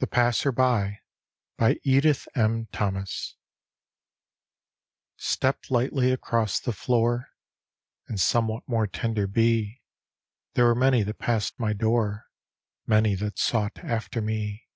THE PASSER BY : edith m. thomas Step lightly across the floor, And somewhat more tender be. There were many that passed my door, Many that sought after me.